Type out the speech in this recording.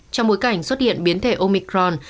trong bối cảnh xuất hiện biến thể omicron